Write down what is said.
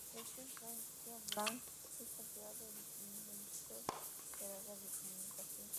De hecho, en Francia Branly es considerado el inventor de la radiocomunicación.